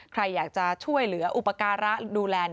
ใครอยากจะช่วยเหลืออุปการะดูแล